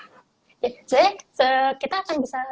jadi kita akan bisa